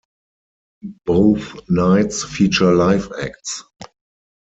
Both nights feature live acts.